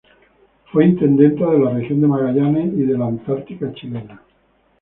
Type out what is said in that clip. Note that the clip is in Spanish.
Fue intendenta de la Región de Magallanes y de la Antártica Chilena.